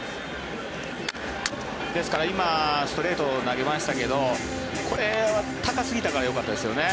ですから今、ストレートを投げましたけどこれ、高すぎたからよかったですよね。